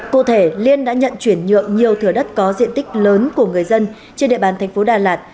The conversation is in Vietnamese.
cụ thể liên đã nhận chuyển nhượng nhiều thừa đất có diện tích lớn của người dân trên địa bàn thành phố đà lạt